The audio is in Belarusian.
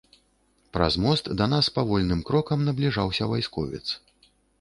Праз мост да нас павольным крокам набліжаўся вайсковец.